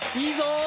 いいぞ！